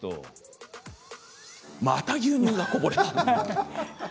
また牛乳がこぼれた。